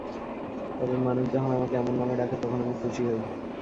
তবে মানুষ যখন আমাকে এমন নামে ডাকে, তখন আমি খুশি হই।